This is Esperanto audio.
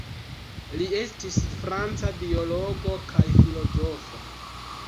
Li estis franca biologo kaj filozofo.